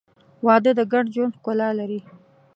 • واده د ګډ ژوند ښکلا لري.